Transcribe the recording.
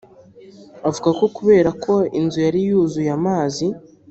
Avuga ko kubera ko inzu yari yuzuye amazi